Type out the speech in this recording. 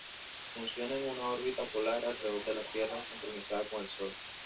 Funciona en una órbita polar alrededor de la Tierra sincronizada con el Sol.